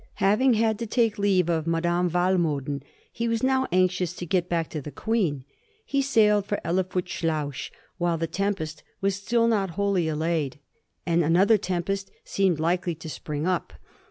Having had to take leave of Madame Walmoden, he was now anxious to get back to the Queen. He sailed for Helvoetsluis while the tempest was still not wholly allayed, and another tempest seemed likely to spring up.